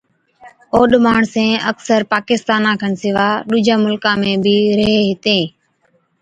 اوڏ ماڻسين اڪثر پاڪستانا کن سِوا ڏُوجا مُلڪا ۾ بِي ريهين هِتين،